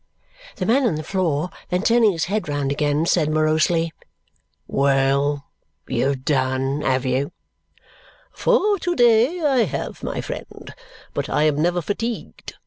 The man on the floor, then turning his head round again, said morosely, "Well! You've done, have you?" "For to day, I have, my friend. But I am never fatigued.